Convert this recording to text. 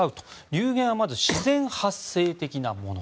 流言はまず自然発生的なもの。